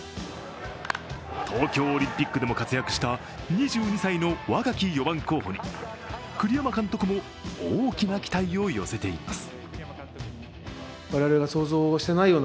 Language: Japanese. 東京オリンピックでも活躍した２２歳の若き４番候補に栗山監督も大きな期待を寄せています。